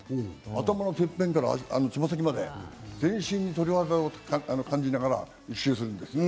頭のてっぺんからつま先まで、選手に鳥肌が立って感じながら一周するんです。